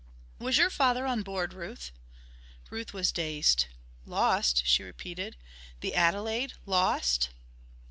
"Was your father on board, Ruth?" Ruth was dazed. "Lost," she repeated. "The Adelaide lost!...